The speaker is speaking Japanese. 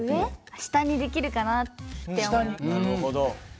下にできるかなって思います。